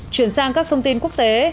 chuyển sang các thông tin quốc tế